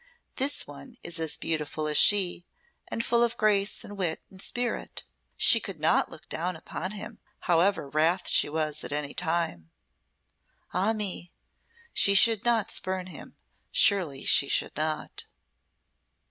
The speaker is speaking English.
This one is as beautiful as she and full of grace, and wit, and spirit. She could not look down upon him, however wrath she was at any time. Ah me! She should not spurn him, surely she should not!"